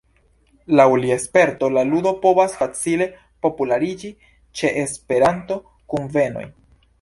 Laŭ lia sperto la ludo povas facile populariĝi ĉe Esperanto-kunvenoj.